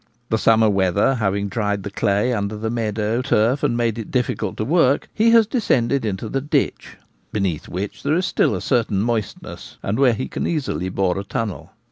The summer weather having dried the clay under the meadow turf and made it difficult to work, he has descended into the ditch, beneath which there is still a certain moistness, and where he can easily bore a tunnel.